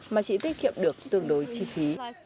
mà chỉ tiết kiệm được tương đối chi phí